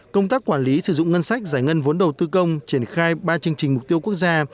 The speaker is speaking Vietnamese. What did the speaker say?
công tác quản lý sử dụng ngân sách giải ngân vốn đầu tư công triển khai ba chương trình mục tiêu quốc gia